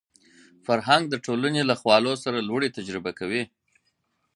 فرهنګ د ټولنې له خوالو سره لوړې تجربه کوي